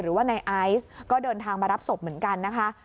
หรือว่าในไอซ์ก็เดินทางมารับศพเหมือนกันนะคะ